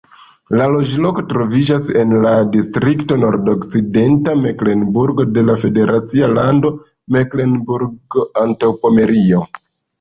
La loĝloko troviĝas en la distrikto Nordokcidenta Meklenburgo de la federacia lando Meklenburgo-Antaŭpomerio.